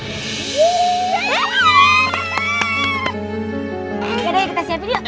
yaudah kita siapin yuk